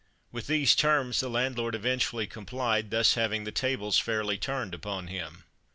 With these terms the landlord eventually complied, thus having "the tables fairly turned" upon him.